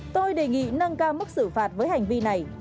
tôi đề nghị nâng cao mức xử phạt với hành vi này